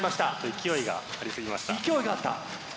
勢いがあった。